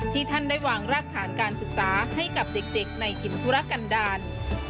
ท่านได้วางรากฐานการศึกษาให้กับเด็กในถิ่นธุรกันดาล